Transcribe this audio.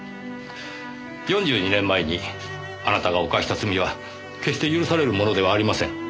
４２年前にあなたが犯した罪は決して許されるものではありません。